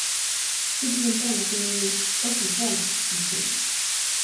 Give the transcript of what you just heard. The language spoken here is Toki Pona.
sitelen pona pi nimi "toki pona" li suwi.